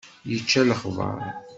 Yečča lexber.